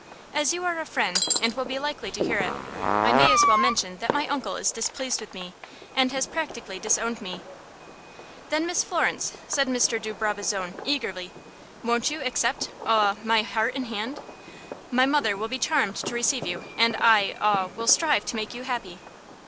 "As you are a friend and will be likely to hear it, I may as well mention that my uncle is displeased with me, and has practically disowned me." "Then, Miss Florence," said Mr. de Brabazon, eagerly, "won't you accept aw my heart and hand? My mother will be charmed to receive you, and I aw will strive to make you happy."